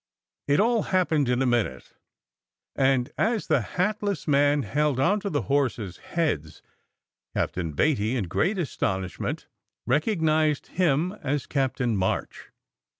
It all happened in a minute; and as the hatless man held on to the horses heads, Cap tain Beatty in great astonishment recognized him as Cap SECRET HISTORY 199 tain March.